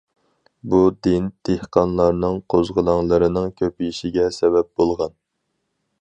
بۇ دىن دېھقانلارنىڭ قوزغىلاڭلىرىنىڭ كۆپىيىشىگە سەۋەب بولغان.